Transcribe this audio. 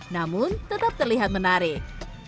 namun tetap terlihat menarik